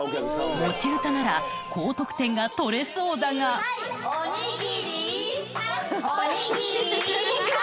持ち歌なら高得点が取れそうだがおにぎりおにぎりはい